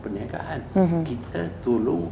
perniagaan kita tolong